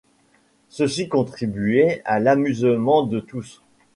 Ceci contribuait à l'amusement de tous.